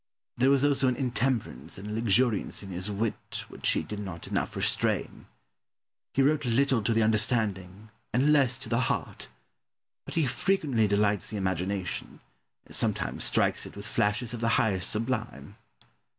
There was also an intemperance and a luxuriancy in his wit which he did not enough restrain. He wrote little to the understanding, and less to the heart; but he frequently delights the imagination, and sometimes strikes it with flashes of the highest sublime.